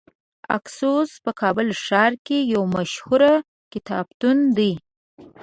اکسوس په کابل ښار کې یو مشهور کتابتون دی .